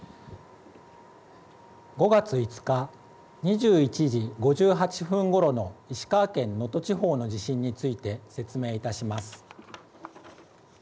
５月５日、２１時５８分ごろの石川県能登地方の地震について説明いたします。